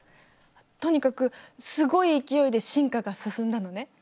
とにかくすごい勢いで進化が進んだのね。